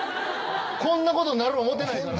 こんなことなる思ってないから。